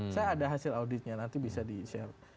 saya ada hasil auditnya nanti bisa di share